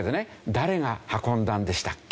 誰が運んだんでしたっけ？